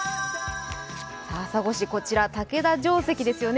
朝来市、こちら竹田城跡ですよね。